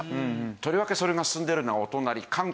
とりわけそれが進んでるのはお隣韓国でしてね